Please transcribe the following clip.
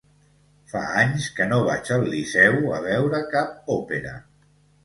Fa anys que no vaig al Liceu a veure cap òpera.